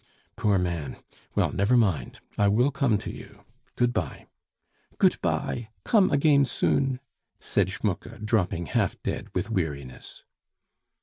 "Poor man! Well, never mind, I will come to you. Good bye." "Goot bye; komm again soon," said Schmucke, dropping half dead with weariness.